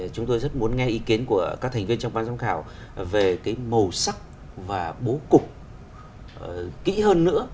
chúng tôi rất muốn nghe ý kiến của các thành viên trong ban giám khảo về màu sắc và bố cục kỹ hơn nữa